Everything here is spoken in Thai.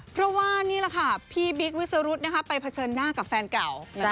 เพราะว่านี่แหละค่ะพี่บิ๊กวิสรุธไปเผชิญหน้ากับแฟนเก่า